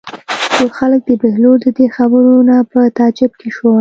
ټول خلک د بهلول د دې خبرو نه په تعجب کې شول.